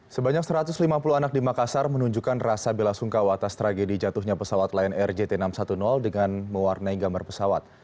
sebanyak satu ratus lima puluh anak di makassar menunjukkan rasa bela sungkawa atas tragedi jatuhnya pesawat lion air jt enam ratus sepuluh dengan mewarnai gambar pesawat